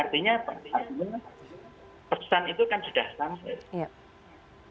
artinya pesan itu kan sudah sampai